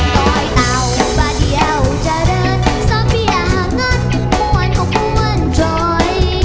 โดยเต่าบาดเดียวจะเดินซ้อมพิหารหางอันม้วนก็ควรจอย